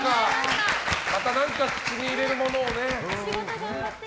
また何か口に入れるものを探して。